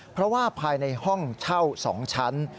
เพราะว่าภายในห้องเช่า๒ชั้น